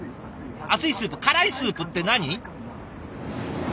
熱いスープ辛いスープって何？